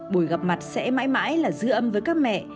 buổi gặp mặt sẽ mãi mãi là dư âm với các mẹ